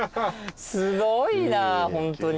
すごいなホントに。